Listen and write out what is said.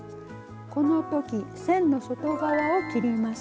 この時線の外側を切ります。